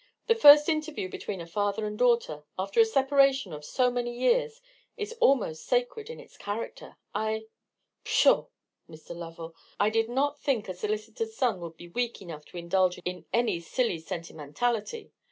The first interview between a father and daughter, after a separation of so many years, is almost sacred in its character. I——" "Pshaw, Mr. Lovell! I did not think a solicitor's son would be weak enough to indulge in any silly sentimentality.